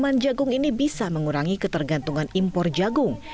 hal ini bisa mengurangi ketergantungan impor jagung